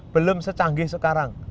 belum secanggih sekarang